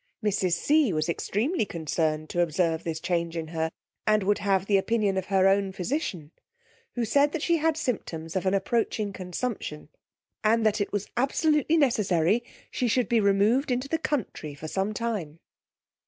Mrs. C ge was extremely concerned to observe this change in her, and would have the opinion of her own physician, who said that she had symptoms of an approaching consumption, and that it was absolutely necessary she should be removed into the country for some time.